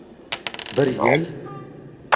— Bir yil?